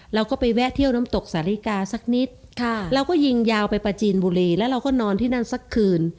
เราก็ไปแวะเที่ยวน้ำตกสาฬิกาสักนิดเราก็ยิงยาวไปประจีนบุรีแล้วเราก็นอนที่นั่นสักคืน